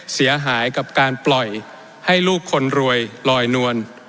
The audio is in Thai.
เสียหายกับการปล่อยให้ลูกคนรวยลอยนวล